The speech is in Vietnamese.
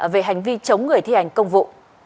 về hành vi chống người thi hành công vụ